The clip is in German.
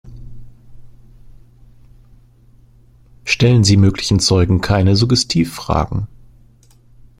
Stellen Sie möglichen Zeugen keine Suggestivfragen.